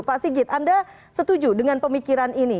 pak sigit anda setuju dengan pemikiran ini